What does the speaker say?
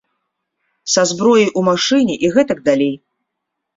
Са зброяй у машыне і гэтак далей.